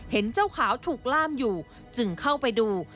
เห็นเจ้าขาวถูกล่ามอยู่จึงเข้าไปดู